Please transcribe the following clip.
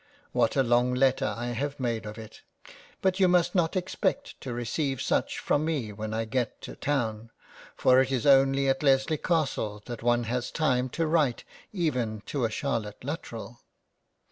What a long letter have I made of it ! But you must not expect to receive such from me when I get to Town ; for it is only at Lesley castle, that one has time to write even to a Charlotte Lutterell.